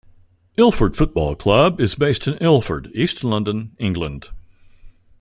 Ilford Football Club is a football club based in Ilford, East London, England.